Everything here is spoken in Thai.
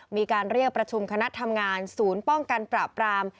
มีการเรียกประชุมคณะทำงานศูนย์ป้องกันปราบราม